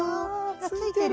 あついてる。